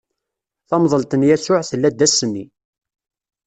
Tamḍelt n Yasuɛ tella-d ass-nni.